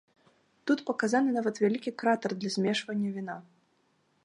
Тут паказаны нават вялікі кратар для змешвання віна.